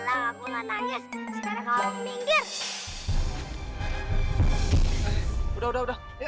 ya allah kasihan reno